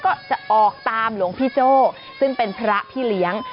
ก็จะออกตามหลวงพี่โจ้ซึ่งเป็นพระพี่เลี้ยง